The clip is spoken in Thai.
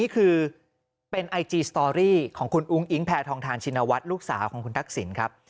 ของคุณอุ้งอิงแผ่ทองทานชินวัตรลูกสาวของคุณทักษิณครับ